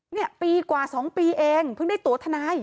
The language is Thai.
เนี่ยปีกว่า๒ปีเองเพิ่งได้ตัวทนาย